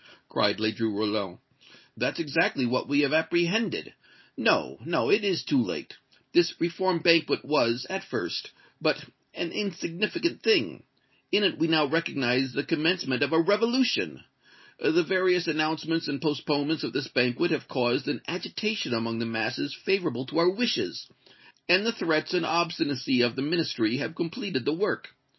cried Ledru Rollin. "That's exactly what we have apprehended! No no it is too late! This Reform Banquet was, at first, but an insignificant thing. In it we now recognize the commencement of a revolution. The various announcements and postponements of this banquet have caused an agitation among the masses favorable to our wishes, and the threats and obstinacy of the Ministry have completed the work.